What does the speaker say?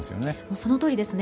そのとおりです。